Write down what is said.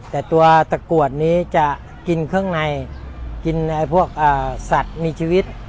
แต่ตัวตะกรวดนี้จะกินเครื่องในกินพวกสัตว์มีชีวิต